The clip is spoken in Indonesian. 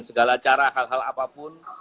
segala cara hal hal apapun